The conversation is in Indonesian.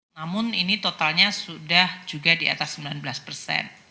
namun ini totalnya sudah juga di atas sembilan belas persen